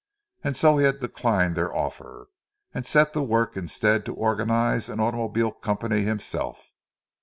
And so he had declined their offer, and set to work instead to organize an automobile company himself.